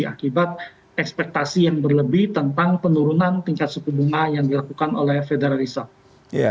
akibat ekspektasi yang berlebih tentang penurunan tingkat suku bunga yang dilakukan oleh federal reserve